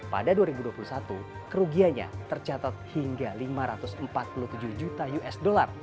pada dua ribu dua puluh satu kerugiannya tercatat hingga lima ratus empat puluh tujuh juta usd